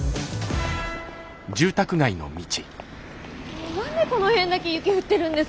もう何でこの辺だけ雪降ってるんですか？